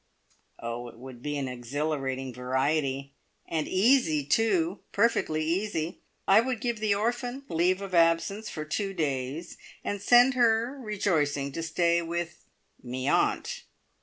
Oh, it would be an exhilarating variety, and easy, too perfectly easy. I would give the orphan leave of absence for two days, and send her rejoicing to stay with "me aunt".